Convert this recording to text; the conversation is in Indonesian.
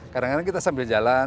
kadang kadang kita sambil jalan